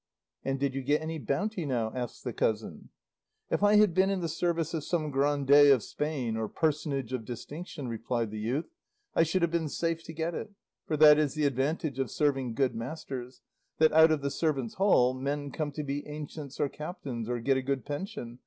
"And did you get any bounty, now?" asked the cousin. "If I had been in the service of some grandee of Spain or personage of distinction," replied the youth, "I should have been safe to get it; for that is the advantage of serving good masters, that out of the servants' hall men come to be ancients or captains, or get a good pension.